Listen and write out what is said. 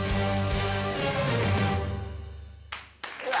うわ！